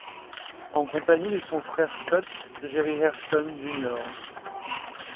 En compagnie de son frère Scott, Jerry Hairston, Jr.